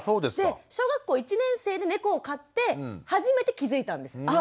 で小学校１年生で猫を飼って初めて気付いたんです。